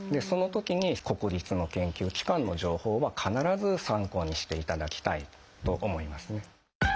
そのときに国立の研究機関の情報は必ず参考にしていただきたいと思いますね。